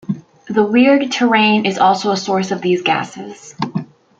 The weird terrain is also a source of these gases.